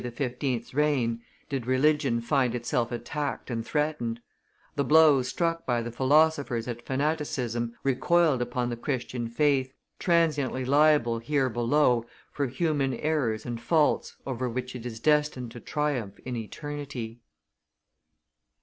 's reign, did religion find itself attacked and threatened; the blows struck by the philosophers at fanaticism recoiled upon the Christian faith, transiently liable here below for human errors and faults over which it is destined to triumph in eternity.